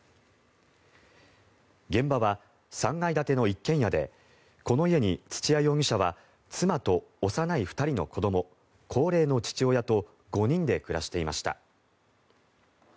現場は３階建ての一軒家でこの家に土屋容疑者は妻と、幼い２人の子ども高齢の父親と５人で暮らしていました。